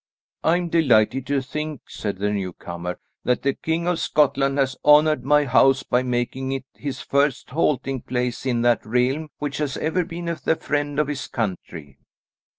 "I am delighted to think," said the newcomer, "that the King of Scotland has honoured my house by making it his first halting place in that realm which has ever been the friend of his country."